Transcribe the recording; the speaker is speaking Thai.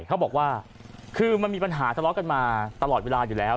เขาบอกว่าคือมันมีปัญหาทะเลาะกันมาตลอดเวลาอยู่แล้ว